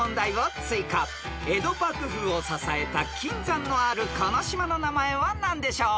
［江戸幕府を支えた金山のあるこの島の名前は何でしょう？］